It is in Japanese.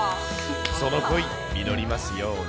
その恋、実りますように。